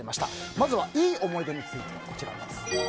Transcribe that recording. まずは、いい思い出について。